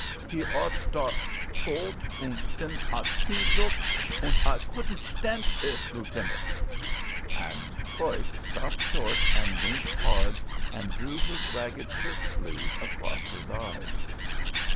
He ot dot golt unt den ot me look, unt I couldn't shtaendt ut, lieutenant " And Preuss stopped short and winked hard and drew his ragged shirt sleeve across his eyes.